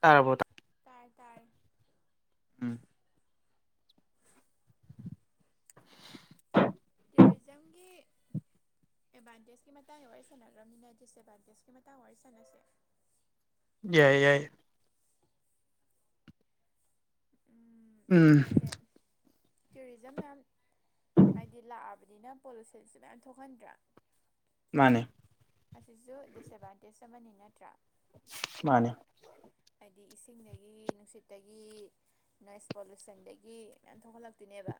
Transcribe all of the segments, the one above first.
ꯇꯥꯔꯔꯕꯣꯠꯇ ꯇꯥꯔꯦ-ꯇꯥꯥꯔꯦ ꯎꯝ ꯇꯦꯔꯤꯖꯝꯒꯤ ꯑꯦꯗꯚꯥꯟꯇꯦꯖꯀꯤ ꯃꯇꯥꯡ ꯋꯥꯔꯤ ꯁꯥꯟꯅꯈ꯭ꯔꯕꯅꯤꯅ ꯗꯤꯁꯑꯗꯚꯥꯟꯇꯦꯖꯀꯤ ꯃꯇꯥꯡ ꯋꯥꯔꯤ ꯁꯥꯟꯅꯁꯦ ꯌꯥꯏ-ꯌꯥꯏ ꯎꯝ ꯀꯩꯅꯣꯁꯦ ꯇꯨꯔꯤꯖꯝ ꯃꯌꯥꯝ ꯍꯥꯏꯗꯤ ꯂꯥꯛꯑꯕꯅꯤꯅ ꯄꯣꯂꯨꯁꯟꯁꯨ ꯃꯌꯥꯝ ꯊꯣꯛꯍꯟꯗ꯭ꯔꯥ ꯃꯥꯅꯦ ꯑꯁꯤꯁꯨ ꯗꯤꯁꯑꯦꯠꯕꯥꯟꯇꯦꯖ ꯑꯃꯅꯤ ꯅꯠꯇ꯭ꯔꯥ ꯃꯥꯅꯦ ꯍꯥꯏꯗꯤ ꯏꯁꯤꯡꯗꯒꯤ ꯅꯨꯡꯁꯤꯠꯇꯒꯤ ꯅꯣꯏꯁ ꯄꯣꯂꯨꯁꯟꯗꯒꯤ ꯌꯥꯝ ꯊꯣꯛꯍꯜꯂꯛꯇꯣꯏꯅꯦꯕ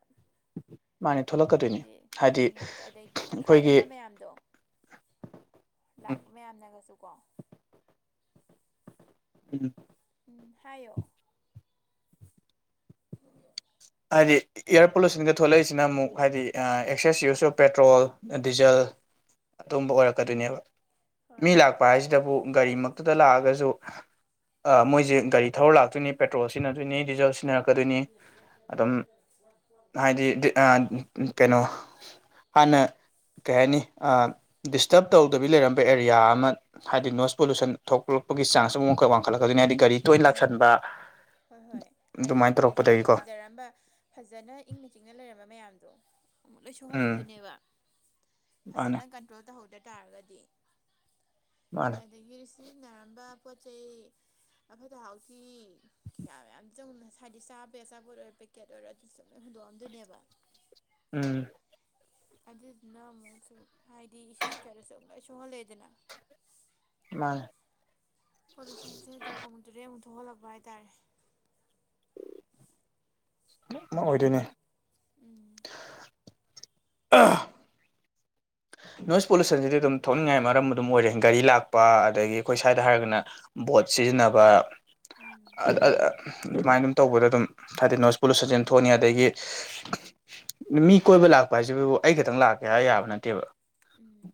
ꯃꯥꯅꯦ ꯊꯣꯛꯂꯛꯀꯗꯣꯏꯅꯤ ꯍꯥꯏꯗꯤ ꯎꯝ ꯍꯥꯏꯗꯤ ꯑꯗꯩ ꯑꯩꯈꯣꯏꯒꯤ ꯆꯈꯥꯏꯔꯝꯕ ꯃꯌꯥꯝꯗꯣ ꯂꯥꯛꯄ ꯃꯌꯥꯝꯅꯒꯁꯨ ꯀꯣ ꯎꯝ ꯎꯝ ꯍꯥꯏꯌꯣ ꯎ ꯍꯏꯗꯤ ꯏꯌꯥꯔ ꯄꯣꯂꯨꯁꯟꯗ ꯊꯣꯛꯂꯛꯏꯁꯤꯅ ꯑꯃꯨꯛ ꯍꯥꯏꯗꯤ excess use of petrol diesel ꯑꯗꯨꯝꯕ ꯎꯝ ꯑꯣꯏꯔꯛꯀꯗꯣꯏꯅꯦꯕ ꯍꯣꯏ ꯃꯤ ꯂꯥꯛꯄ ꯍꯥꯏꯁꯤꯗꯕꯨ ꯒꯥꯔꯤꯃꯛꯇꯨꯗ ꯂꯥꯛꯑꯒꯁꯨ ꯃꯣꯏꯁꯦ ꯒꯥꯔꯤ ꯊꯧꯔ ꯂꯥꯛꯇꯣꯏꯅꯤ ꯄꯦꯇ꯭ꯔꯣꯜ ꯁꯤꯖꯤꯟꯅꯗꯣꯏꯅꯤ ꯗꯤꯖꯜ ꯁꯤꯖꯤꯟꯅꯔꯛꯀꯗꯣꯏꯅꯤ ꯑꯗꯨꯝ [inaudible] ꯍꯥꯏꯗꯤ ꯀꯩꯅꯣ ꯍꯥꯟꯅ ꯀꯩ ꯍꯥꯏꯅꯤ ꯗꯤꯁꯇꯔꯕ ꯇꯧꯗꯕꯤ ꯂꯩꯔꯝꯕ ꯑꯦꯔꯤꯌꯥ ꯑꯃ ꯍꯥꯏꯗꯤ ꯅꯣꯏꯁ ꯄꯣꯂꯨꯁꯟ ꯊꯣꯛꯂꯛꯄꯒꯤ ꯆꯥꯟꯁ ꯑꯃꯨꯛ ꯑꯩꯈꯣꯏ ꯋꯥꯡꯈꯠꯂꯛꯛꯇꯣꯏꯅꯤ ꯍꯥꯏꯗꯤ ꯒꯥꯔꯤ ꯇꯣꯏꯅ ꯎꯝ ꯂꯥꯛꯁꯟꯕ ꯍꯣꯏ ꯍꯣꯏ ꯍꯥꯏꯗꯤ ꯑꯗꯨꯃꯥꯏꯅ ꯍꯥꯟꯅ ꯅꯦꯆꯔꯒꯤ ꯇꯧꯔꯛꯄꯗꯒꯤꯀꯣ ꯐꯖꯔꯝꯕ ꯐꯖꯅ ꯏꯪꯅ ꯆꯤꯛꯅ ꯂꯩꯔꯝꯕ ꯃꯌꯥꯝꯗꯣ ꯑꯃꯨꯛ ꯂꯣꯏ ꯎꯝ ꯁꯣꯛꯍꯜꯂꯧꯗꯣꯏꯅꯦꯕ ꯃꯥꯅꯦ ꯐꯖꯅꯟ [unintelligible] ꯇꯧꯍꯧꯗ ꯇꯥꯔꯒꯗꯤ ꯃꯥꯅꯦ ꯑꯗꯒꯤ ꯁꯤꯖꯤꯟꯅꯔꯝꯕ ꯄꯣꯠꯆꯩ ꯑꯐꯠꯇ ꯍꯥꯎꯊꯤ ꯀꯩꯀꯥ ꯃꯌꯥꯝ ꯆ ꯍꯥꯏꯗꯤ ꯆꯥꯕꯦ ꯑꯆꯥꯄꯣꯠ ꯑꯣꯏꯔꯣ ꯄꯦꯀꯦꯠ ꯑꯣꯏꯔꯣ ꯑꯗꯨꯁꯨ ꯂꯣꯏ ꯍꯟꯗꯣꯛꯑꯗꯣꯏꯅꯦꯕ ꯎꯝ ꯑꯗꯨꯗꯨꯅ ꯑꯃꯨꯛꯁꯨ ꯍꯥꯏꯗꯤ ꯏꯁꯤꯡꯗꯤ ꯀꯩꯗꯁꯨ ꯑꯃꯨꯛ ꯂꯥꯏ ꯁꯣꯛꯍꯜꯂꯦꯗꯅ ꯃꯥꯅꯦ ꯄꯣꯂꯨꯁꯟꯁꯦ ꯑꯗꯨꯝ ꯑꯃꯨꯛ ꯇꯔꯦ ꯑꯃꯨꯛ ꯊꯣꯛꯍꯜꯂꯛꯄ ꯍꯥꯏꯇꯥꯔꯦ ꯑꯣꯏꯗꯣꯏꯅꯤ ꯎꯝ ꯑꯥ ꯅꯣꯏꯁ ꯄꯣꯂꯨꯁꯟꯁꯤꯗꯤ ꯑꯗꯨꯝ ꯊꯣꯛꯅꯤꯡꯉꯥꯏ ꯃꯔꯝ ꯑꯗꯨꯝ ꯑꯣꯏꯔꯦ ꯒꯥꯔꯤ ꯂꯥꯛꯄ ꯑꯗꯒꯤ ꯑꯩꯈꯣꯏ ꯁ꯭ꯋꯥꯏꯗ ꯍꯥꯏꯔꯒꯅ ꯕꯣꯠ ꯁꯤꯖꯤꯟꯅꯕ ꯎꯝ ꯑꯥ-ꯑꯥ-ꯑꯂꯨ ꯑꯗꯨꯃꯥꯏꯅ ꯑꯗꯨꯝ ꯇꯧꯕꯗ ꯑꯗꯨꯝ ꯍꯥꯏꯗꯤ ꯅꯣꯏꯁ ꯄꯣꯂꯨꯁꯟꯁ ꯑꯗꯨꯝ ꯊꯣꯛꯅꯤ ꯑꯗꯒꯤ ꯃꯤ ꯀꯣꯏꯕ ꯂꯥꯛꯄ ꯍꯥꯏꯁꯤꯕꯨ ꯑꯩ ꯈꯇꯪ ꯂꯥꯛꯀꯦ ꯍꯥꯏ ꯌꯥꯕ ꯅꯠꯇꯦꯕ ꯎꯝ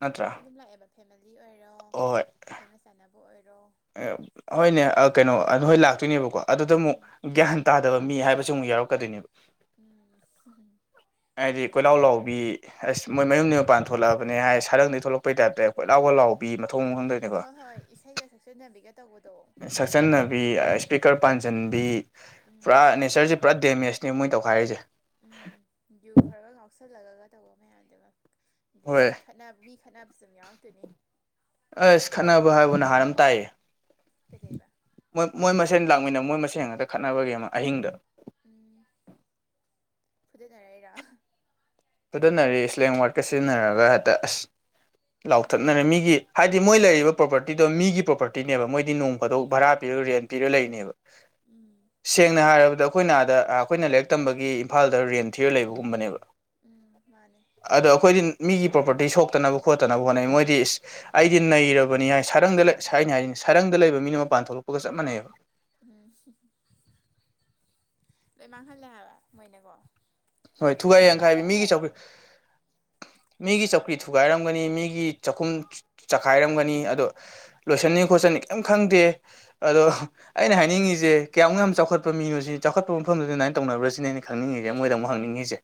ꯅꯠꯇ꯭ꯔꯥ ꯃꯌꯥꯝ ꯑꯗꯨꯝ ꯂꯥꯛꯑꯦꯕ ꯐꯦꯃꯤꯂꯤ ꯑꯣꯏꯔꯣ ꯍꯣꯏ ꯈꯪꯅ ꯆꯥꯟꯅꯕ ꯑꯣꯏꯔꯣ ꯍꯣꯏꯅꯦ ꯀꯩꯅꯣ ꯅꯣꯏ ꯂꯥꯛꯇꯣꯏꯅꯦꯕꯀꯣ ꯑꯗꯨꯗ ꯑꯃꯨꯛ ꯃꯤ ꯒ꯭ꯌꯥꯟ ꯇꯥꯗꯕ ꯃꯤ ꯍꯥꯏꯕꯕꯁꯤ ꯑꯃꯨꯛ ꯌꯥꯎꯔꯛꯀꯗꯣꯏꯅꯦꯕ ꯎꯝ ꯍꯥꯏꯗꯤ ꯀꯣꯏꯂꯥꯎ ꯂꯥꯎꯕꯤ ꯑꯁ ꯃꯣꯏ ꯃꯌꯨꯝꯗꯒꯤꯩ ꯃꯄꯥꯟ ꯊꯣꯛꯂꯛꯑꯕꯅꯦ ꯍꯥꯏ ꯁꯔꯪꯗꯒꯤ ꯊ ꯊꯣꯛꯂꯛꯄ ꯇꯥꯏꯞꯇ ꯑꯩꯈꯣꯏ ꯂꯥꯎ ꯈ ꯂꯥꯎꯕ ꯍꯣꯏ ꯍꯣꯏ ꯏꯁꯩꯒ ꯁꯛꯆꯟꯅꯕꯤꯒ ꯇꯧꯕꯗꯣ ꯁꯛꯆꯟꯅꯕꯤ ꯏꯁꯄꯤꯀꯔ ꯄꯥꯟꯁꯤꯟꯕꯤ ꯄꯨꯔꯥ ꯎꯝ ꯅꯦꯆꯔꯁꯦ ꯄꯨꯔꯥ ꯗꯦꯃꯦꯖꯅꯦꯕ ꯃꯣꯏ ꯇꯧꯈꯥꯏꯔꯤꯁꯦ ꯖꯨ ꯈꯔꯒ ꯉꯥꯎꯁꯜꯂꯒ ꯇꯧꯕ ꯃꯌꯥꯝꯗꯨ ꯑꯗꯩ ꯍꯣꯏ ꯃꯤ ꯈꯠ ꯃꯤ ꯈꯠꯅꯕꯁꯨ ꯑꯗꯨꯝ ꯌꯥꯎꯔꯛꯇꯣꯏꯅꯤ ꯑꯁ ꯈꯠꯅꯕ ꯍꯥꯏꯕꯕꯨ ꯅꯍꯥꯟ ꯑꯃ ꯇꯥꯏꯌꯦ ꯀꯖꯩꯕ ꯃꯣꯏ ꯃꯣꯏ ꯃꯁꯦꯟ ꯂꯥꯛꯃꯤꯟꯅꯕ ꯃꯣꯏ ꯃꯁꯦꯟ ꯉꯥꯛꯛꯇ ꯈꯠꯅꯕꯒꯤ ꯑꯃ ꯑꯍꯤꯡꯗ ꯎꯝ ꯐꯨꯖꯅꯔꯏꯔꯥ ꯐꯊꯅꯔꯔꯤꯦ ꯏꯁꯂꯦꯡ ꯋꯥꯠꯀ ꯁꯤꯖꯤꯟꯅꯔꯒ ꯍꯦꯛꯇ ꯑꯁ ꯎꯝ ꯂꯥꯎꯊꯠꯅꯔꯦ ꯃꯤꯒꯤ ꯍꯥꯏꯗꯤ ꯃꯣꯏ ꯂꯩꯔꯤꯕ ꯄ꯭ꯔꯣꯄꯔꯇꯤꯗꯣ ꯃꯤꯒꯤ ꯄ꯭ꯔꯣꯄꯔꯇꯤꯅꯦꯕ ꯃꯣꯏꯗꯤ ꯅꯣꯡꯐꯗꯣꯛ ꯚꯔꯥ ꯄꯤꯔꯒ ꯔꯦꯟ ꯄꯤꯔꯒ ꯂꯩꯔꯤꯅꯦꯕ ꯎꯝ ꯁꯦꯡꯅ ꯍꯥꯏꯔꯕꯗ ꯑꯩꯈꯣꯏꯅ ꯑꯥꯗ ꯑꯩꯈꯣꯏꯅ ꯂꯥꯏꯔꯤꯛ ꯇꯝꯕꯒꯤ ꯏꯝꯐꯥꯜꯗ ꯔꯦꯟ ꯊꯤꯌꯔ ꯂꯩꯕꯒꯨꯝꯕꯅꯦꯕ ꯎꯝ ꯃꯥꯅꯦ ꯑꯗꯣ ꯑꯩꯈꯣꯏꯗꯤ ꯃꯤꯒꯤ ꯄ꯭ꯔꯣꯄꯔꯇꯤ ꯁꯣꯛꯇꯅꯕ ꯈꯣꯠꯇꯅꯕ ꯍꯣꯠꯅꯩ ꯃꯣꯏꯗꯤ ꯏꯁ ꯑꯩꯗꯤ ꯅꯩꯔꯕꯅꯤ ꯍꯥꯏ ꯁꯔꯪꯗ ꯂꯩ ꯍꯥꯏꯅꯤ ꯍꯥꯏꯔꯤꯅꯤ ꯁꯔꯪꯗ ꯂꯩꯕ ꯃꯤꯅ ꯃꯄꯥꯟ ꯊꯣꯛꯂꯛꯄꯒ ꯆꯞ ꯃꯥꯟꯅꯩꯕ ꯎꯝ ꯂꯣꯏ ꯃꯥꯡꯍꯜꯂꯦ ꯍꯥꯏꯕ ꯃꯣꯏꯅꯀꯣ ꯍꯣꯏ ꯊꯨꯒꯥꯏ ꯒ꯭ꯌꯥꯟ ꯇꯥꯕ ꯌꯥꯡꯈꯥꯏꯕꯤ ꯃꯤꯒꯤ ꯆꯧ [inaudible] ꯃꯤꯒꯤ ꯆꯧꯀ꯭ꯔꯤ ꯊꯨꯒꯥꯏꯔꯝꯒꯅꯤ ꯃꯤꯒꯤ ꯆꯥꯛꯈꯨꯝ ꯆꯈꯥꯏꯔꯝꯒꯅꯤ ꯑꯗꯣ ꯂꯣꯏꯁꯟꯅꯤ ꯈꯣꯠꯆꯟꯅꯤ ꯀꯩꯝ ꯈꯪꯗꯦ ꯑꯗꯣ ꯑꯩꯅ ꯍꯥꯏꯅꯤꯡꯉꯤꯁꯦ ꯀꯌꯥꯃꯨꯛ ꯌꯥꯝ ꯆꯥꯎꯈꯠꯄ ꯃꯤꯅꯣꯁꯤ ꯆꯥꯎꯈꯠꯄ ꯃꯐꯝꯗꯨꯗ ꯑꯗꯨꯃꯥꯏꯅ ꯇꯧꯅꯕ꯭ꯔꯥꯁꯤꯅꯦ ꯑꯩꯅ ꯈꯪꯅꯤꯡꯉꯤꯁꯦ ꯃꯣꯏꯗꯛ ꯍꯪꯅꯤꯡꯉꯤꯁꯦ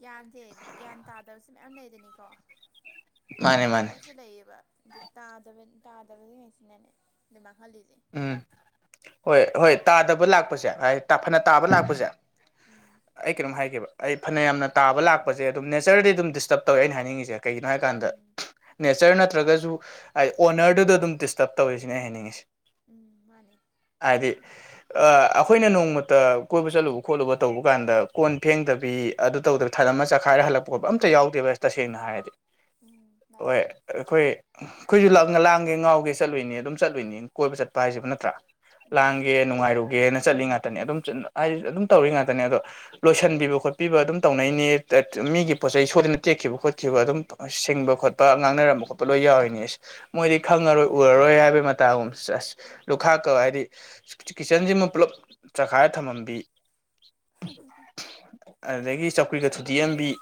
ꯒ꯭ꯌꯥꯟꯁꯦ ꯒ꯭ꯌꯥꯟ ꯇꯥꯗꯕꯁꯨ ꯃꯌꯥꯝ ꯂꯩꯗꯅꯤꯀꯣ ꯍꯣꯏ ꯃꯥꯅꯦ ꯃꯥꯅꯦ ꯇꯥꯕꯕꯨꯁꯨ ꯂꯩꯌꯦꯕ ꯑꯗꯨ ꯇꯥꯗꯕ ꯇꯥꯗꯕꯁꯤꯡꯉꯩꯁꯤꯅꯅꯦ ꯑꯗꯨ ꯃꯥꯡꯍꯜꯂꯤꯅꯦ ꯎꯝ ꯍꯣꯏ ꯍꯣꯏ ꯇꯥꯗꯕ ꯂꯥꯛꯄꯁꯦ ꯍꯥꯏ ꯐꯅ ꯇꯥꯕ ꯂꯥꯛꯄꯁꯦ ꯎꯝ ꯑꯩ ꯀꯩꯅꯣꯝ ꯍꯥꯏꯈꯤꯕ ꯑꯩ ꯐꯅꯌꯥꯝꯅ ꯇꯥꯕ ꯂꯥꯛꯄꯁꯦ ꯑꯗꯨꯝ ꯅꯦꯆꯔꯗꯤ ꯑꯗꯨꯝ ꯗꯤꯁꯇꯔꯕ ꯇꯧꯋꯦꯩꯅ ꯍꯥꯏꯅꯤꯡꯉꯤꯁꯦ ꯀꯩꯒꯤꯅꯣ ꯍꯥꯏꯀꯥꯟꯗ ꯎꯝ ꯅꯦꯆꯔ ꯅꯠꯇ꯭ꯔꯒꯁꯨ ꯍꯥꯏ ꯑꯣꯅꯔꯗꯨꯗꯣ ꯑꯗꯨꯝ ꯗꯤꯁꯇꯔꯕ ꯇꯧꯔꯤꯁꯤꯅꯦ ꯑꯩ ꯍꯥꯏꯅꯤꯡꯉꯁꯤ ꯎꯝ ꯃꯥꯅꯦ ꯍꯥꯏꯗꯤ ꯑꯩꯈꯣꯏꯅ ꯅꯣꯡꯃꯇ ꯀꯣꯏꯕ ꯆꯠꯂꯨꯕ ꯈꯣꯠꯂꯨꯕ ꯇꯧꯕ ꯀꯥꯟꯗ ꯀꯣꯟ ꯐꯦꯡꯗꯕ ꯕꯤ ꯑꯗꯨ ꯇꯧꯗꯕ ꯊꯠ ꯑꯃ ꯆꯈꯥꯏꯔꯒ ꯍꯂꯄ ꯈꯠ ꯑ ꯑꯃꯇ ꯌꯥꯎꯗꯦꯕ ꯑꯁ ꯇꯁꯦꯡꯅ ꯍꯥꯏꯔꯗꯤ ꯎꯝ ꯃꯥꯅꯦ ꯍꯣꯏ ꯑꯩꯈꯣꯏ ꯑꯩꯈꯣꯏꯁꯨ ꯂ ꯂꯥꯡꯒꯦ ꯉꯥꯎꯒꯦ ꯆꯠꯂꯨꯏꯅꯤ ꯑꯗꯨꯝ ꯆꯠꯂꯨꯅꯤ ꯀꯣꯏꯕ ꯆꯠꯄ ꯍꯥꯏꯁꯤꯕ ꯅꯠꯇ꯭ꯔꯥ ꯎꯝ ꯂꯥꯡꯒꯦ ꯅꯨꯡꯉꯥꯏꯔꯨꯒꯦꯅ ꯆꯠꯂꯤ ꯉꯥꯛꯇꯅꯦ ꯑꯗꯨꯝ ꯍꯥꯏ ꯑꯗꯨꯝ ꯇꯧꯔꯤ ꯉꯥꯛꯇꯅꯦ ꯑꯗꯣ ꯂꯣꯏꯁꯟꯕꯤꯕ ꯈꯣꯠꯄꯤꯕ ꯑꯗꯨꯝ ꯇꯧꯅꯩꯅꯦ ꯃꯤꯒꯤ ꯄꯣꯠꯆꯩ ꯁꯣꯏꯗꯅ ꯇꯦꯛꯈꯤꯕ ꯈꯣꯠꯈꯤꯕ ꯑꯗꯨꯝ ꯁꯤꯡꯕ ꯈꯣꯠꯄ ꯉꯥꯡꯅꯔꯝꯕ ꯈꯣꯠꯄ ꯂꯣꯏ ꯌꯥꯎꯔꯤꯅꯦ ꯑꯁ ꯃꯣꯏꯗꯤ ꯈꯪꯉꯔꯣꯏ ꯎꯔꯔꯣꯏ ꯍꯥꯏꯕꯩ ꯃꯇꯥꯒꯨꯝ ꯑꯁ ꯑꯁ ꯂꯨꯈꯥꯛꯀ ꯍꯥꯏꯗꯤ ꯀꯤꯠꯆꯟꯁꯤꯃ ꯄꯨꯂꯞ ꯆꯈꯥꯏꯔ ꯊꯝꯃꯝꯕꯤ ꯑꯗꯨꯗꯒꯤ ꯆꯧꯀ꯭ꯔꯤꯒ ꯊꯨꯗꯤꯛ ꯑꯦꯝꯕꯤ ꯂꯣꯏꯁꯟꯅꯕꯤꯅꯦ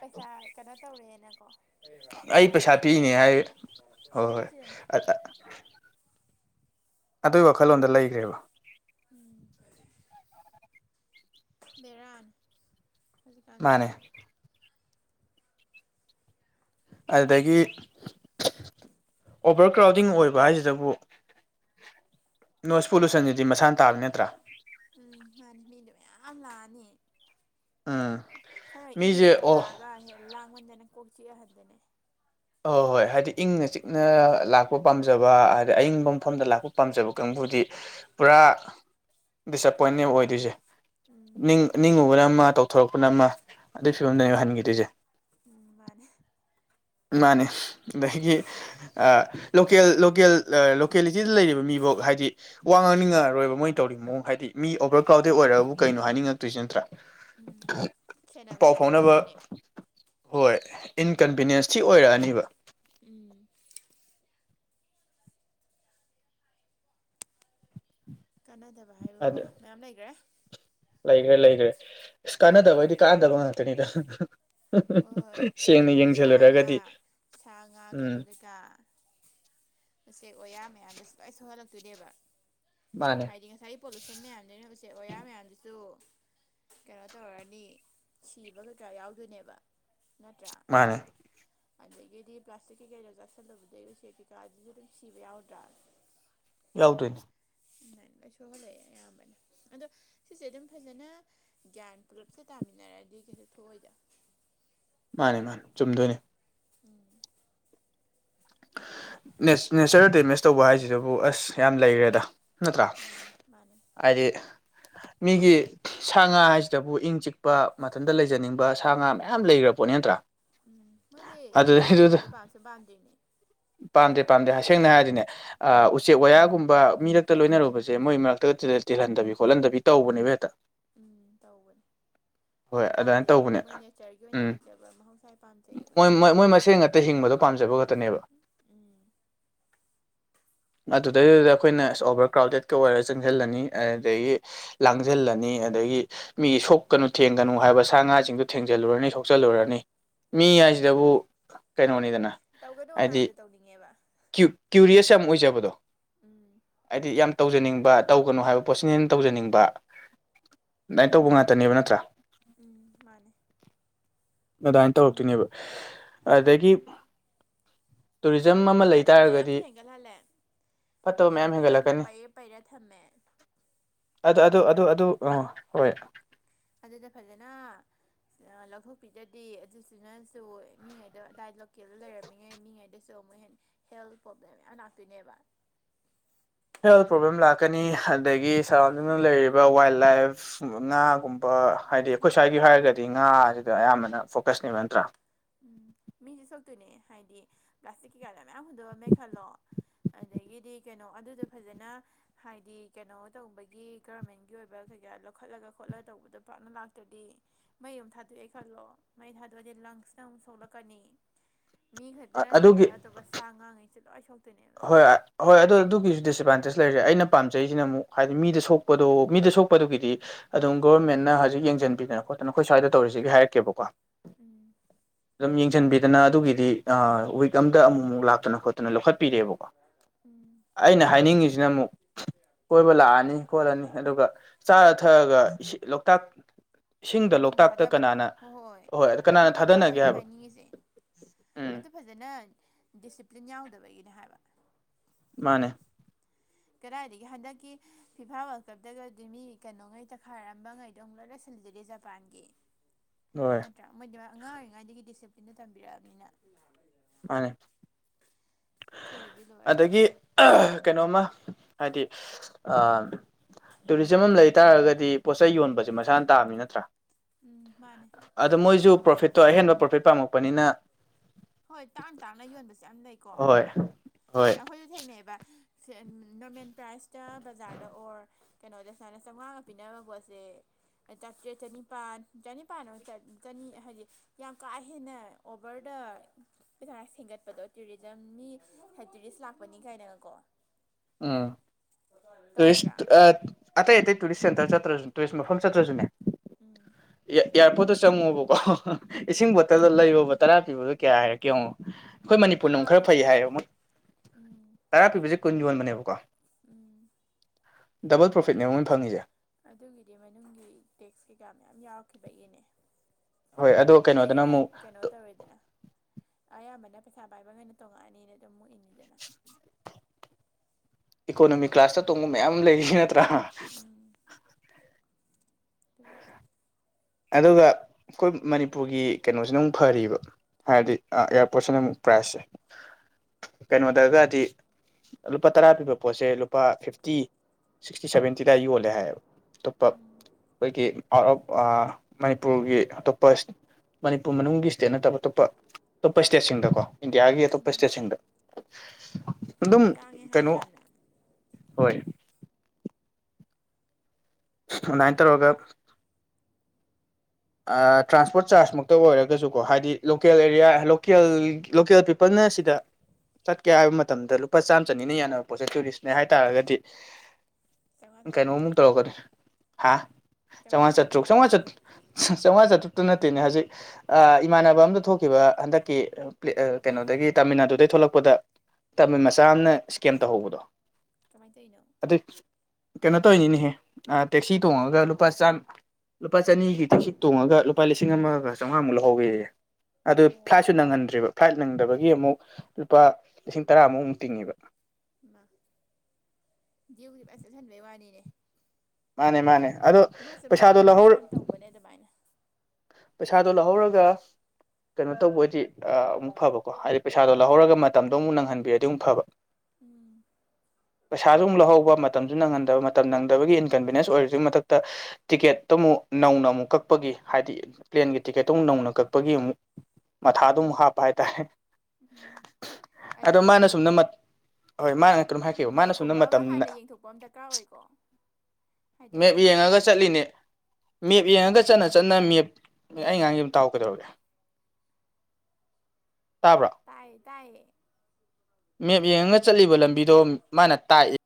ꯄꯩꯁꯥ ꯀꯩꯅꯣ ꯇꯧꯔꯦꯅ ꯀꯣ ꯀꯔꯤꯍꯥꯏꯕ ꯄꯩꯁꯥ ꯂꯧꯁꯜꯂꯦꯅ ꯁꯤꯗꯅꯤ ꯁꯤꯗꯅꯤ ꯑꯗ ꯑꯗꯨ ꯋꯥꯈꯜꯂꯣꯟꯗ ꯂꯩꯒ꯭ꯔꯦꯕ ꯎꯝ ꯕꯦꯔꯥꯅꯤ ꯍꯧꯖꯤꯀꯥꯟꯁꯤ ꯃꯥꯅꯦ ꯑꯗꯨꯗꯒꯤ ꯑꯣꯚꯔ ꯀ꯭ꯔꯥꯎꯗꯤꯡ ꯑꯣꯏꯕ ꯍꯥꯏꯖꯤꯗꯕꯨ ꯅꯣꯏꯁ ꯄꯣꯂꯨꯁꯟꯁꯤꯗꯤ ꯃꯁꯥꯅ ꯇꯥꯕꯅꯤ ꯅꯠꯇ꯭ꯔꯥ ꯎꯝ ꯃꯥꯅꯤ ꯃꯤꯗꯣ ꯃꯌꯥꯝ ꯂꯥꯛꯑꯅꯤ ꯎꯝ ꯈꯔ ꯃꯤꯁꯦ ꯏꯪꯒꯗ꯭ꯔꯥ ꯑꯣ ꯂꯥꯛꯑꯒ ꯍꯦ ꯂꯥꯡꯉꯟꯗꯅ ꯀꯣꯛ ꯆꯤꯛꯑꯥ ꯍꯟꯗꯣꯏꯅꯦ ꯑꯣ ꯍꯣꯏ ꯍꯥꯏꯗꯤ ꯏꯪꯅ ꯆꯤꯛꯅ ꯂꯥꯛꯄ ꯄꯥꯝꯖꯕ ꯍꯥꯏꯗꯤ ꯑꯌꯤꯡꯕ ꯃꯐꯝꯗ ꯂꯥꯛꯄ ꯄꯥꯝꯖꯕ ꯀꯥꯡꯕꯨꯗꯤ ꯄꯨꯔꯥ ꯗꯤꯁꯑꯄꯣꯏꯟꯅꯦ ꯑꯣꯏꯗꯣꯏꯁꯦ ꯎꯝ ꯅꯤꯡ ꯑꯣꯏꯗꯣꯏꯅꯦ ꯅꯤꯡꯉꯨꯕꯅ ꯑꯃ ꯇꯧꯊꯣꯔꯛꯄꯅ ꯑꯃ ꯑꯗꯨꯒꯤ ꯐꯤꯝꯗꯨꯗꯅꯦ ꯍꯟꯒꯤꯗꯣꯏꯁꯦ ꯎꯝ ꯃꯥꯅꯤ ꯃꯥꯅꯦ ꯑꯗꯒꯤ ꯂꯣꯀꯦꯜ ꯂꯣꯀꯦꯜ ꯂꯣꯀꯦꯂꯤꯇꯤꯗ ꯂꯩꯔꯤꯕ ꯃꯤꯐꯥꯎ ꯍꯥꯏꯗꯤ ꯋꯥ ꯉꯥꯡꯅꯤꯡꯉꯛꯔꯣꯏꯕ ꯃꯣꯏꯅ ꯇꯧꯔꯤ ꯃꯑꯣꯡ ꯍꯥꯏꯗꯤ ꯃꯤ ꯑꯣꯚꯔ ꯀ꯭ꯔꯥꯎꯗꯦꯗ ꯑꯣꯏꯔꯒꯕꯨ ꯀꯩꯅꯣ ꯍꯥꯏꯅꯤꯡꯉꯛꯇꯣꯏꯁꯦ ꯅꯠꯇ꯭ꯔꯥ ꯎꯝ ꯄꯥꯎ ꯁꯦꯟꯅꯕꯁꯨ ꯐꯥꯎꯅꯕ ꯉꯝꯃꯛꯑꯣꯏꯗꯣꯏꯅꯦ ꯍꯣꯏ ꯏꯟꯀꯟꯕꯤꯅꯦꯟꯁ ꯊꯤ ꯑꯣꯏꯔꯛꯑꯅꯤꯕ ꯎꯝ ꯀꯥꯟꯅꯗꯕ ꯍꯥꯏꯌꯨꯀꯣ ꯃꯌꯥꯝ ꯂꯩꯒ꯭ꯔꯦ ꯂꯩꯒ꯭ꯔꯦ ꯂꯩꯒ꯭ꯔꯦ ꯑꯁ ꯀꯥꯟꯅꯗꯕꯩꯗꯤ ꯀꯥꯟꯅꯗꯕ ꯉꯥꯛꯇꯅꯤꯗ ꯍꯣꯏ ꯍꯣꯏ ꯁꯦꯡꯅ ꯑꯗꯩ ꯁꯥ ꯉꯥ ꯌꯦꯡꯁꯜꯂꯨꯔꯒꯗꯤ ꯁꯥ ꯉꯥ ꯀꯩꯅꯣ ꯎꯝ ꯀꯩꯀꯥ ꯎꯆꯦꯛ ꯑꯣꯌꯥ ꯃꯌꯥꯝꯒꯁꯦ ꯂꯣꯏ ꯁꯣꯛꯍꯜꯂꯛꯇꯣꯏꯅꯦꯕ ꯃꯥꯅꯦ ꯍꯥꯏꯗꯤ ꯉꯁꯥꯏꯒꯤ ꯄꯣꯂꯨꯁꯟ ꯃꯌꯥꯝꯗꯨꯅ ꯎꯆꯦꯛ ꯑꯣꯌꯥ ꯃꯌꯥꯝꯗꯨꯁꯨ ꯀꯩꯅꯣ ꯇꯧꯔꯅꯤ ꯁꯤꯕ ꯀꯩꯀꯥ ꯌꯥꯎꯗꯣꯏꯅꯦꯕ ꯅꯠꯇ꯭ꯔꯥ ꯃꯥꯅꯦ ꯑꯗꯒꯤꯗꯤ ꯄ꯭ꯂꯥꯁꯇꯤꯛ ꯀꯩ ꯀꯩꯗꯣ ꯆꯥꯁꯤꯜꯂꯨꯕꯗꯩ ꯎꯆꯦꯛ ꯀꯩꯀꯥ ꯑꯗꯨꯁꯨ ꯑꯗꯨꯝ ꯁꯤꯕ ꯌꯥꯎꯗ꯭ꯔꯥ ꯌꯥꯎꯗꯣꯏꯅꯤ ꯂꯣꯏ ꯁꯣꯛꯍꯜꯂꯛꯑꯦ ꯑꯌꯥꯝꯕꯅꯦ ꯑꯗꯣ ꯁꯤꯁꯦ ꯑꯗꯨꯝ ꯐꯖꯅ ꯒ꯭ꯌꯥꯟ ꯄꯨꯂꯞꯁꯦ ꯇꯥꯃꯤꯟꯅꯔꯗꯤ ꯀꯩꯁꯨ ꯊꯣꯛꯑꯣꯏꯗ ꯃꯥꯅꯦ ꯃꯥꯅꯤ ꯆꯨꯝꯗꯣꯏꯅꯦ ꯎꯝ ꯅꯦꯁ ꯅꯦꯆꯔ ꯗꯦꯃꯦꯖ ꯇꯧꯕ ꯍꯥꯏꯖꯤꯗꯕꯨ ꯑꯁ ꯌꯥꯝ ꯂꯩꯔꯦꯗ ꯅꯠꯇ꯭ꯔꯥ ꯎꯝ ꯃꯥꯅꯦ ꯍꯥꯏꯗꯤ [inaudible] ꯃꯤꯒꯤ ꯁꯥ ꯉꯥ ꯍꯥꯏꯁꯤꯇꯕꯨ ꯏꯪ ꯆꯤꯛꯄ ꯃꯊꯟꯇ ꯂꯩꯖꯅꯤꯡꯕ ꯁꯥ ꯉꯥ ꯃꯌꯥꯝ ꯂꯩꯒ꯭ꯔ ꯄꯣꯠꯅꯤ ꯅꯠꯇ꯭ꯔꯥ ꯎꯝ ꯃꯣꯏꯗꯤ ꯃꯤꯔꯛ ꯑꯗꯨꯗꯩꯗꯨꯗ ꯇꯤꯟꯕꯁꯦ ꯄꯥꯝꯁꯨ ꯄꯥꯝꯗꯦꯃꯤ ꯄꯥꯝꯗꯦ ꯄꯥꯝꯗꯦ ꯍꯁꯦꯡꯅ ꯍꯥꯏꯔꯗꯤꯅꯦ ꯑꯥ ꯎꯝ ꯎꯆꯦꯛ ꯋꯥꯌꯥꯒꯨꯝꯕ ꯃꯤꯔꯛ ꯇꯥ ꯂꯣꯏꯅꯔꯨꯕꯖꯦ ꯃꯣꯏ ꯃꯔꯛꯇꯒ ꯇꯤꯜꯍꯟꯗꯕꯤ ꯈꯣꯠꯍꯟꯗꯕꯤ ꯇꯧꯕꯅꯦꯕ ꯍꯦꯛꯇ ꯎꯝ ꯇꯧꯕꯅꯤ ꯍꯣꯏ ꯃꯣꯏꯅ ꯑꯗꯨꯃꯥꯏꯅ ꯄꯥꯝꯗꯦꯕ ꯇꯧꯕꯅꯦ ꯃꯣꯏ ꯅꯦꯆꯔꯒꯤ ꯑꯣꯏꯅ ꯎꯝ ꯂꯩꯖꯕ ꯃꯍꯧꯁꯥ ꯄꯥꯝꯖꯩꯑꯕ ꯃꯣꯏ ꯃꯣꯏ ꯃꯣꯏ ꯃꯁꯦꯟ ꯉꯥꯛꯇ ꯍꯤꯡꯕꯗꯣ ꯄꯝꯖꯕ ꯎꯝ ꯑꯗꯨꯗꯩꯗꯨꯗ ꯑꯩꯈꯣꯏꯅ ꯑꯁ ꯑꯣꯚꯔ ꯀ꯭ꯔꯥꯎꯗꯦꯠꯀꯥ ꯑꯣꯏꯔꯒ ꯆꯪꯖꯜꯂꯅꯤ ꯑꯗꯨꯗꯒꯤ ꯂꯥꯡꯖꯤꯜꯂꯅꯤ ꯑꯗꯒꯤ ꯃꯤ ꯁꯣꯛꯀꯅꯨ ꯊꯦꯡꯒꯅꯨ ꯍꯥꯏꯕ ꯁꯥ ꯉꯥꯁꯤꯡꯗꯨ ꯊꯦꯡꯖꯜꯂꯨꯔꯅꯤ ꯁꯣꯛꯆꯜꯂꯨꯔꯅꯤ ꯃꯤ ꯎꯝ ꯍꯥꯏꯖꯤꯗꯕꯨ ꯀꯩꯅꯣꯅꯤꯗꯅ ꯇꯧꯒꯅꯣ ꯍꯥꯏꯗꯤ ꯍꯥꯏꯕꯗꯣ ꯇꯧꯅꯤꯡꯉꯦꯕ ꯀ꯭ꯌꯨꯔꯤꯌꯁ ꯌꯥꯝ ꯑꯣꯏꯖꯕꯗꯣ ꯎꯝ ꯍꯥꯏꯗꯤ ꯌꯥꯝ ꯇꯧꯖꯅꯤꯡꯕ ꯇꯧꯒꯅꯨ ꯍꯥꯏꯕ ꯄꯣꯠꯁꯤꯅꯦꯩꯅ ꯇꯧꯖꯅꯤꯡꯕ ꯑꯗꯨꯃꯥꯏꯅ ꯇꯧꯕ ꯉꯥꯛꯇꯅꯦꯕ ꯅꯠꯇ꯭ꯔꯥ ꯎꯝ ꯃꯥꯅꯦ ꯑꯗꯥꯡ ꯇꯧꯔꯛꯇꯣꯏꯅꯦꯕ ꯑꯗꯒꯤ ꯇꯨꯔꯤꯖꯝ ꯑꯃ ꯐꯠꯇꯕ ꯂꯩꯇꯥꯥꯔꯒꯗꯤ ꯃꯌꯥꯝꯁꯦ ꯍꯦꯟꯒꯠꯍꯜꯂꯦ ꯐꯠꯇꯕ ꯑꯐꯠꯇꯕ ꯃꯌꯥꯝ ꯃꯌꯥꯝꯗꯣ ꯍꯦꯟꯒꯠꯂꯛꯀꯅꯤ ꯄꯩꯔ ꯄꯩꯔ ꯊꯝꯃꯦ ꯑꯗꯨ ꯑꯗꯨ ꯅꯠꯇ꯭ꯔꯥ ꯑꯗꯨ ꯑꯗꯨ ꯑ ꯍꯣꯏ ꯑꯗꯨꯗ ꯐꯖꯅ ꯂꯧꯊꯣꯛꯄꯤꯗꯗꯤ ꯑꯗꯨꯗꯨꯅꯁꯨ ꯃꯤꯉꯩꯗꯣ ꯑꯗꯨꯗꯥꯏ ꯂꯣꯀꯦꯜ ꯂꯩꯔꯝꯃꯤꯉꯩ ꯃꯤꯉꯩꯗ ꯁ ꯑꯃꯨꯛ ꯍꯦꯟ ꯍꯦꯜ ꯄ꯭ꯔꯣꯕ꯭ꯂꯦꯝ ꯃ ꯉꯥꯛꯇꯣꯏꯅꯦꯕ ꯍꯦꯜꯊ ꯄ꯭ꯔꯣꯕ꯭ꯂꯦꯝ ꯂꯥꯛꯀꯅꯤ ꯑꯗꯒꯤ ꯁꯔꯥꯎꯟꯗꯤꯡꯗ ꯂꯩꯔꯤꯕ ꯋꯥꯏꯜ ꯂꯥꯏꯐ ꯉꯥꯒꯨꯝꯕ ꯍꯥꯏꯗꯤ ꯑꯩꯈꯣꯏ ꯁ꯭ꯋꯥꯏꯒꯤ ꯍꯥꯏꯔꯒꯗꯤ ꯉꯥꯁꯤꯗ ꯑꯌꯥꯝꯕꯅ ꯐꯣꯀꯁꯅꯦꯕ ꯅꯠꯇ꯭ꯔꯥ ꯎꯝ ꯃꯤꯁꯨ ꯁꯣꯛꯇꯣꯏꯅꯦ ꯍꯥꯏꯗꯤ ꯄ꯭ꯂꯥꯁꯇꯤꯛ ꯀꯩꯀꯥꯗ ꯃꯌꯥꯝ ꯍꯨꯟꯗꯣꯛ ꯑꯝꯃꯦ ꯈꯜꯂꯣ ꯑꯗꯒꯤꯗꯤ ꯀꯩꯅꯣ ꯑꯗꯨꯗꯣ ꯐꯖꯅ ꯍꯥꯏꯗꯤ ꯀꯩꯅꯣ ꯇꯧꯕꯒꯤ ꯒꯔꯃꯦꯟꯒꯤ ꯑꯣꯏꯕ ꯀꯩꯀꯥ ꯂꯧꯈꯠꯂꯒ ꯈꯣꯠꯂꯒ ꯇꯧꯕꯗꯣ ꯄꯥꯛꯅ ꯂꯥꯛꯇ꯭ꯔꯗꯤ ꯃꯩ ꯑꯃ ꯊꯥꯗꯣꯛꯑꯦ ꯈꯜꯂꯣ ꯃꯩ ꯊꯥꯗꯣꯛꯑꯗꯤ ꯂꯪꯁ ꯪ ꯁꯣꯛꯂꯛꯀꯅꯤ ꯃꯤ ꯈꯛꯇ ꯑꯗꯨꯒꯤ ꯅꯠꯇꯕꯤꯗ ꯑꯇꯣꯞꯄ ꯁꯥ ꯉꯥꯉꯩꯁꯨ ꯂꯣꯏ ꯁꯣꯛ ꯍꯣꯏ ꯍꯣꯏ ꯑꯗꯣ ꯑꯗꯨꯒꯤꯁꯨ ꯗꯤꯁꯑꯦꯠꯕꯥꯟꯇꯦꯖ ꯂꯩꯔꯦ ꯑꯩꯅ ꯄꯥꯝꯖꯩꯁꯤꯅ ꯑꯃꯨꯛ ꯍꯥꯏꯗꯤ ꯃꯤꯗ ꯁꯣꯛꯄꯗꯣ ꯃꯤꯗ ꯁꯣꯛꯄꯗꯨꯒꯤꯗꯤ ꯑꯗꯨꯝ ꯒꯣꯣꯔꯔꯃꯦꯟꯅ ꯍꯧꯖꯤꯛ ꯌꯦꯡꯁꯤꯟꯕꯤꯗꯅ ꯈꯣꯠꯇꯅ ꯑꯩꯈꯣꯏ ꯁ꯭ꯋꯥꯏꯗ ꯇꯧꯔꯤꯁꯤꯒ ꯍꯥꯏꯔꯛꯀꯦꯕꯀꯣ ꯎꯝ ꯑꯗꯨꯝ ꯌꯦꯡꯁꯤꯟꯕꯤꯗꯅ ꯑꯗꯨꯒꯤꯗꯤ ꯋꯤꯛ ꯑꯝꯗ ꯑꯃꯨꯛꯃꯨꯛ ꯂꯥꯛꯇꯅ ꯈꯣꯠꯇꯅ ꯂꯧꯈꯠ ꯄꯤꯔꯦꯕꯀꯣ ꯎꯝ ꯑꯩꯅ ꯍꯥꯏꯅꯤꯡꯉꯤꯁꯤꯅ ꯑꯃꯨꯛ ꯀꯣꯏꯕ ꯂꯥꯛꯑꯅꯤ ꯈꯣꯠꯂꯅꯤ ꯑꯗꯨꯒ ꯆꯥꯔ ꯊꯛꯔꯒ ꯏꯁꯤ ꯂꯣꯛꯇꯥꯛ ꯏꯁꯤꯡꯗ ꯃꯅꯨꯡꯗ ꯂꯣꯛꯇꯥꯛꯇ ꯊꯥꯗꯕꯗꯣ ꯀꯅꯥꯅ ꯍꯣꯏ ꯍꯣꯏ ꯑ ꯀꯅꯥꯅ ꯑꯗꯨꯅꯦꯕ ꯊꯥꯗꯅꯒꯦ ꯑꯩꯈꯣꯏꯁꯨ ꯍꯥꯏꯕ ꯍꯥꯏꯅꯤꯡꯉꯤꯁꯦ ꯎꯝ ꯑꯗꯨ ꯐꯖꯅ ꯗꯤꯁꯤꯄ꯭ꯂꯤꯟ ꯌꯥꯎꯗꯕꯒꯤꯅꯦ ꯍꯥꯏꯕ ꯃꯥꯅꯦ ꯀꯗꯥꯏꯗꯒꯤ ꯍꯟꯗꯛꯀꯤ ꯐꯤꯐꯥ ꯋꯥꯔꯜ ꯀꯞꯇꯒꯗꯤ ꯃꯤ ꯀꯩꯅꯣꯉꯩ ꯆꯛꯈꯥꯏꯔꯛꯑꯝꯕ ꯉꯩ ꯗ ꯂꯣꯏ ꯂꯣꯏꯁꯤꯜꯜꯂꯤꯖꯔꯤ ꯖꯄꯥꯟꯒꯤ ꯍꯣꯏ ꯅꯠꯇ꯭ꯔꯥ ꯃꯣꯏꯗꯤ ꯑꯉꯥꯡ ꯑꯣꯏꯔꯤꯉꯩꯗꯒꯤ ꯗꯤꯁꯤꯄ꯭ꯂꯤꯟꯗꯣ ꯇꯝꯕꯤꯔꯛꯑꯕꯅꯤꯅ ꯃꯥꯅꯦ ꯑꯩꯈꯣꯏꯒꯤꯗꯤ ꯂꯣꯏꯔꯦ ꯑꯗꯒꯤ ꯀꯩꯅꯣꯝꯃ ꯍꯥꯏꯗꯤ ꯇꯨꯔꯤꯖꯝ ꯑꯃ ꯂꯩ ꯇꯥꯔꯒꯗꯤ ꯄꯣꯠ ꯆꯩ ꯌꯣꯟꯕꯁꯦ ꯃꯁꯥꯅ ꯇꯥꯕꯃꯤ ꯅꯠꯇ꯭ꯔꯥ ꯎꯝ ꯃꯥꯅꯦ ꯑꯗꯣ ꯃꯣꯏꯁꯨ ꯄ꯭ꯔꯣꯐꯤꯠꯇꯣ ꯑꯍꯦꯟꯕ ꯄ꯭ꯔꯣꯐꯤꯠ ꯄꯥꯝꯃꯛꯄꯅꯤꯅ ꯍꯣꯏ ꯇꯥꯡꯅ ꯇꯥꯅ ꯌꯣꯟꯕꯁꯦ ꯌꯥꯝ ꯂꯩ ꯍꯣꯏ ꯍꯣꯏ ꯑꯩꯈꯣꯏꯗ ꯊꯦꯡꯅꯩꯑꯕ ꯅꯣꯔꯃꯦꯜ ꯄ꯭ꯔꯥꯏꯖꯇ ꯕꯖꯥꯔꯗ ꯑꯣꯔ ꯀꯩꯅꯣꯗ ꯁꯨꯃꯥꯏꯅ ꯆꯥꯝꯃꯉꯥꯒ ꯄꯤꯅꯕ ꯄꯣꯠꯁꯦ ꯆꯥꯇ꯭ꯔꯦꯠ ꯆꯅꯤꯄꯥꯥꯟ ꯆꯅꯤꯄꯥꯟ ꯆꯅꯤ ꯍꯥꯏꯗꯤ ꯌꯥꯝ ꯀꯥ ꯍꯦꯟꯅ ꯑꯣꯕꯔ ꯗ ꯄꯩꯁꯥ ꯁꯦꯝꯒꯠꯄꯗꯣ ꯇꯨꯔꯤꯖꯝꯅꯤ ꯍꯥꯏ ꯇꯨꯔꯤꯁ ꯂꯥꯛꯄꯅꯤ ꯀꯥꯏꯅꯒ ꯀꯣ ꯑꯝ ꯇꯔꯤꯁ ꯇꯧꯗ꯭ꯔꯥ ꯑ ꯇꯨꯔꯔꯤꯁ ꯁꯦꯟꯇꯔ ꯆ ꯔꯖ ꯇꯔꯤꯁ ꯃꯐꯝ ꯆ ꯔꯖꯨꯦ ꯎꯝ ꯏꯌꯥꯔꯄꯣꯔꯠꯇ ꯆꯪꯉꯣꯕꯀꯣ ꯎꯝ ꯏꯁꯤꯡ ꯕꯣꯇꯜꯗ ꯂꯩꯔꯣꯕ ꯇꯔꯥ ꯄꯤꯕꯗꯣ ꯀꯌꯥ ꯍꯥꯏꯔꯛꯀꯦ ꯌꯦꯡꯉꯣ ꯑꯩꯈꯣꯏ ꯃꯅꯤꯄꯨꯔꯅ ꯑꯥ ꯈꯔ ꯐꯩ ꯍꯥꯏꯌꯦ ꯃꯣꯏ ꯎꯝ ꯇꯔꯥ ꯄꯤꯕꯁꯦ ꯀꯨꯟ ꯌꯣꯟꯕꯅꯦꯕꯀꯣ ꯎꯝ ꯗꯕꯜ ꯄ꯭ꯔꯣꯐꯤꯠꯅꯦꯕ ꯃꯣꯏ ꯐꯪꯉꯤꯖꯦ ꯑꯗꯨꯒꯤꯗꯤ ꯃꯅꯨꯡꯒꯤ ꯇꯦꯛꯁ ꯀꯩꯀꯥ ꯃꯌꯥꯝ ꯌꯥꯎꯔꯛꯈꯤꯕꯒꯤꯅꯦ ꯍꯣꯏ ꯑꯗꯣ ꯀꯩꯅꯣꯗꯅ ꯑꯁꯤꯁꯤꯅ ꯑꯃꯨꯛ ꯀꯩꯅꯣ ꯇꯧꯔꯦꯗꯅ ꯑꯌꯥꯝꯕꯅ ꯄꯩꯁꯥ ꯄꯥꯏꯕ ꯉꯩꯅ ꯇꯣꯡꯉꯛꯑꯅꯤꯅ ꯑꯗꯨꯝ ꯃꯨꯛ ꯏꯅꯤꯗꯅ ꯏꯀꯣꯅꯣꯃꯤꯛ ꯀ꯭ꯂꯥꯁꯇ ꯇꯣꯡꯕ ꯃꯌꯥꯝ ꯂꯩꯔꯤꯁꯤ ꯅꯠꯇ꯭ꯔꯥ ꯎꯝ ꯊꯕꯗꯤ ꯑꯗꯨꯒ ꯑꯩꯈꯣꯏ ꯃꯅꯤꯄꯨꯔꯒꯤ ꯀꯩꯅꯣꯁꯤꯅ ꯑꯃꯨꯛ ꯐꯔꯤꯕ ꯍꯥꯏꯔꯗꯤ ꯏꯌꯥꯔꯄꯣꯔꯠꯁꯤꯅ ꯑꯃꯨꯛ ꯄ꯭ꯔꯥꯏꯖꯁꯦ ꯀꯩꯅꯣꯗꯒꯗꯤ ꯂꯨꯄꯥ ꯇꯔꯥ ꯄꯤꯕ ꯄꯣꯠꯁꯦ ꯂꯨꯄꯥ ꯐꯤꯐꯇꯤ ꯁꯤꯛꯁꯇꯤ ꯁꯚꯦꯟꯇꯤꯗ ꯌꯣꯜꯂꯦ ꯍꯥꯏꯌꯦꯕ ꯑꯇꯣꯞꯄ ꯎꯝ ꯑꯩꯈꯣꯏꯒꯤ ꯑꯥꯎꯠ ꯑꯣꯐ ꯑ ꯃꯅꯤꯄꯨꯔꯒꯤ ꯑꯇꯣꯞꯄ ꯃꯅꯤꯄꯨꯔ ꯃꯅꯨꯡꯒꯤ ꯏꯁꯇꯦꯠ ꯅꯠꯇꯕ ꯑꯇꯣꯞꯄ ꯑꯇꯣꯞꯄ ꯏꯁꯇꯦꯠꯁꯤꯡꯗꯀꯣ ꯏꯟꯗꯤꯌꯥꯒꯤ ꯑꯇꯣꯞꯄ ꯎꯝ ꯏꯁꯇꯦꯠꯁꯤꯡꯗ [inaudible] ꯑꯗꯨꯝ ꯇꯥꯡꯉꯦ ꯍꯥꯏ ꯀꯩꯅꯣ ꯌꯥꯝꯅ ꯍꯣꯏ ꯅꯥꯥꯏꯅ ꯇꯧꯔꯒ ꯇ꯭ꯔꯥꯟꯁꯄꯣꯔꯠ ꯆꯥꯔꯖ ꯃꯨꯛꯇ ꯑꯣꯏꯔꯒꯁꯨꯀꯣ ꯍꯥꯏꯗꯤ ꯂꯣꯀꯦꯜ ꯑꯦꯔꯤꯌꯥ ꯂꯣꯀꯦꯜ ꯂꯣꯀꯦꯜ ꯄꯤ ꯄꯟ ꯑꯁꯤꯗ ꯆꯠꯀꯦ ꯍꯥꯏꯕ ꯃꯇꯝꯗ ꯂꯨꯄꯥ ꯆꯥꯝꯃ ꯆꯅꯤꯅ ꯌꯥꯅꯕ ꯄꯣꯠꯁꯦ ꯇꯨꯔꯤꯁꯅꯦ ꯍꯥꯏꯇꯥꯥꯔꯒꯗꯤ ꯆꯥꯝꯃꯉꯥ ꯆꯥꯇ꯭ꯔꯨꯛ ꯀꯩꯅꯣꯃꯨꯛ ꯇꯧꯔꯛꯀꯅꯤ ꯍꯥꯥ ꯆꯥꯝꯃꯉꯥ ꯆꯥꯇ꯭ꯔꯨꯛꯀ ꯆꯠꯇ꯭ꯔꯨ ꯆꯥꯝꯃꯉꯥ ꯍꯥꯏꯔꯒꯅꯦ ꯆꯠ ꯆꯧꯉꯥ ꯆꯥꯇ꯭ꯔꯨꯛꯇꯨ ꯅꯠꯇꯦꯅꯦ ꯍꯧꯖꯤꯛ ꯑ ꯏꯃꯥꯟꯅꯕ ꯑꯝꯗ ꯊꯣꯛꯈꯤꯕ ꯍꯟꯗꯛꯀꯤ ꯀꯩꯅꯣꯗꯒꯤ ꯇꯥꯃꯤꯜ ꯅꯥꯗꯨꯗꯩ ꯊꯣꯛꯂꯛꯄꯗ ꯇꯝꯃꯤ ꯃꯆꯥ ꯑꯃꯅ ꯏꯁꯀꯦꯝ ꯇꯧꯍꯧꯕꯗꯣ ꯀꯃꯥꯏꯅ ꯇꯧꯏꯅꯣ ꯑꯗꯨꯩ ꯀꯩꯅꯣ ꯇꯧꯔꯤꯅꯤꯅꯦꯍꯦ ꯇꯦꯛꯁꯤ ꯇꯣꯡꯉꯒ ꯂꯨꯄꯥ ꯂꯨꯄꯥ ꯆꯅꯤꯒꯤ ꯤꯁꯤ ꯇꯣꯡꯉꯒ ꯂꯨꯄꯥ ꯂꯤꯁꯤꯡ ꯑꯃꯒ ꯆꯧꯉꯥꯃꯨꯛ ꯂꯧꯍꯧꯒꯦꯑꯦ ꯑꯗꯨ ꯑꯣ ꯐ꯭ꯂꯥꯏꯠꯁꯨ ꯅꯪꯍꯟꯗ꯭ꯦꯔꯤꯕ ꯐ꯭ꯂꯥꯏꯠ ꯅꯪꯗꯕꯒꯤ ꯑꯃꯨꯛ ꯂꯨꯄꯥ ꯂꯤꯁꯤꯡ ꯇꯔꯥꯃꯨꯛ ꯑꯃꯨꯛ ꯇꯤꯡꯉꯦꯕ ꯃꯥ ꯕꯨꯗꯤ ꯄ ꯆꯁꯟꯕꯩ ꯋꯥꯅꯤꯅꯦ ꯃꯥꯅꯦ ꯃꯥꯅꯦ ꯑꯗꯣ ꯄꯩꯁꯥꯗꯣ ꯂꯧꯍꯧ ꯋꯥꯦ ꯗꯨꯃꯥꯏꯅ ꯄꯩꯁꯥꯗꯣ ꯂꯧꯍꯧꯔꯒ ꯀꯩꯅꯣ ꯇꯧꯕꯗꯤ ꯑꯃꯨꯛ ꯐꯕꯀꯣ ꯍꯥꯏꯗꯤ ꯄꯩꯁꯥꯗꯣ ꯂꯧꯍꯧꯔꯒ ꯃꯇꯝꯗꯣ ꯑꯃꯨꯛ ꯅꯪꯍꯟꯕꯤꯔꯗꯤ ꯑꯃꯨꯛ ꯐꯕ ꯎꯝ ꯄꯩꯁꯥꯁꯨ ꯑꯃꯨꯛ ꯂꯧꯍꯧꯕ ꯃꯇꯝꯁꯨ ꯅꯪꯍꯟꯗꯕ ꯃꯇꯝ ꯅꯪꯗꯕꯒꯤ ꯏꯟꯀꯟꯕꯤꯅꯦꯟꯁ ꯑꯣꯏꯔꯤꯗꯨꯒꯤ ꯃꯊꯛꯇ ꯇꯤꯀꯦꯠꯇꯨ ꯑꯃꯨꯛ ꯅꯧꯅ ꯑꯃꯨꯛ ꯀꯛꯄꯒꯤ ꯍꯥꯏꯗꯤ ꯄ꯭ꯂꯦꯟꯒꯤ ꯇꯤꯀꯦꯠꯇꯣ ꯅꯧꯅ ꯀꯛꯄꯒꯤ ꯑꯃꯨꯛ ꯃꯊꯥꯗꯨ ꯑꯃꯨꯛ ꯍꯥꯞꯄ ꯍꯥꯏꯇꯥꯔꯦ ꯎꯝ ꯑꯗꯣ ꯑꯗꯨꯗꯤ ꯃꯥꯅ ꯀꯩꯅꯣ ꯁꯨꯝ ꯅꯝꯃꯛ ꯍꯣꯏ ꯃꯥꯅ ꯀꯝ ꯍꯥꯏꯈꯤꯕ ꯃꯥꯅ ꯁꯣꯝꯅ ꯃꯦꯞꯀꯨꯝꯕ ꯑꯃ ꯃꯇꯝꯅ ꯍꯥꯟꯅ ꯌꯦꯡꯊꯣꯛꯄ ꯑꯃ ꯗꯔꯀꯥꯔ ꯑꯣꯏꯀꯣ ꯍꯥꯏꯗꯤ ꯃꯦꯞ ꯑꯅꯛꯄꯒꯨꯝꯕ ꯌꯦꯡꯉꯒ ꯊꯤꯗꯣꯛꯄ ꯆꯠꯂꯤꯅꯦ ꯃꯦꯞ ꯑꯗꯨꯒ ꯅꯪ ꯌꯦꯡꯉꯒ ꯆꯠꯅ ꯀꯣꯏꯊꯣꯔꯛꯑꯣ ꯆꯠꯅ ꯃꯦꯞ ꯑꯩ ꯉꯥꯡꯁ ꯑꯗꯨꯝ ꯇꯥꯎꯀꯗꯧꯔꯒꯦ ꯇꯥꯕ꯭ꯔꯣ ꯇꯥꯏꯌꯦ ꯇꯥꯏꯌꯦ ꯃꯦꯞ ꯌꯦꯡꯉꯒ ꯆꯠꯂꯤꯕ ꯂꯝꯕꯤꯗꯣ ꯃꯥꯅ ꯇꯥꯛꯏ